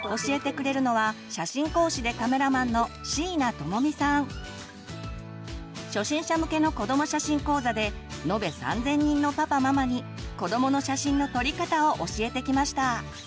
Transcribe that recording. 教えてくれるのは初心者向けの子ども写真講座で延べ３，０００人のパパママに子どもの写真の撮り方を教えてきました。